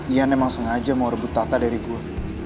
ian emang sengaja mau rebut tata dari gue